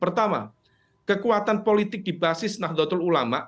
pertama kekuatan politik di basis nahdlatul ulama